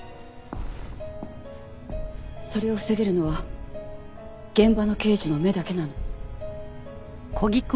それを防げるのは現場の刑事の目だけなの。